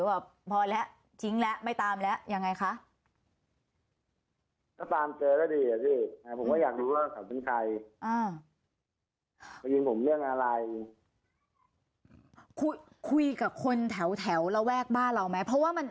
วันนี้ผมเรื่องอะไร